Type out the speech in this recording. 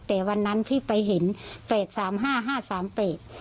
แต่วันนั้นพี่ไปเห็นเปรก๓๕๕๓เปรก